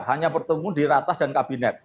hanya bertemu di ratas dan kabinet